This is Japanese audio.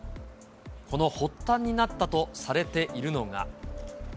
この発端になったとされているのが。